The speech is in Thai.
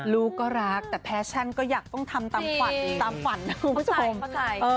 รู้ก็รักแต่แพชชั่นก็อยากต้องทำตามฝั่นนะคุณผู้ชม